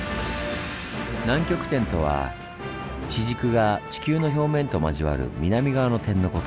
南極点とは地軸が地球の表面と交わる南側の点のこと。